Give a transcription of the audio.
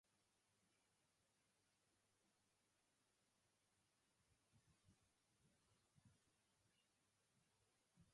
This system aims to ensure both proportionality and local representation.